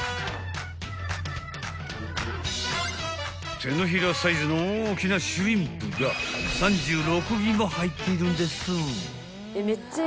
［手のひらサイズの大きなシュリンプが３６尾も入っているんです］